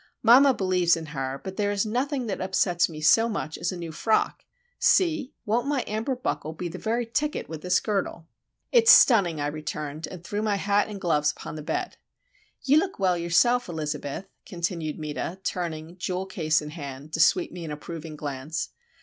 "Mamma believes in her; but there is nothing that upsets me so much as a new frock. See,—won't my amber buckle be the very ticket with this girdle?" "It's stunning," I returned, and threw my hat and gloves upon the bed. "You look well yourself, Elizabeth," continued Meta, turning, jewel case in hand, to sweep me an approving glance.